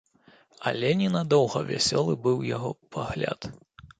Але ненадоўга вясёлы быў яго пагляд.